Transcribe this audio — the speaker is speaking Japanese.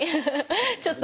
ちょっとね。